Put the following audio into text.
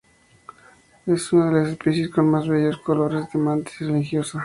Es una de las especies con más bellos colores de mantis religiosa.